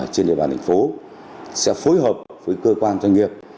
trên địa bàn thành phố sẽ phối hợp với cơ quan doanh nghiệp